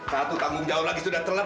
satu tanggung jawab lagi sudah terlalu lama